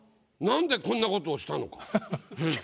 何でこんなことをしたのか。